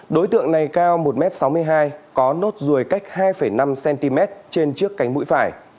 đối tượng này cao một m sáu mươi hai có nốt ruồi cách hai năm cm trên trước cánh mũi phải